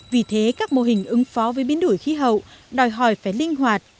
vì thế các mô hình ứng phó với biến đổi khí hậu đòi hỏi phải linh hoạt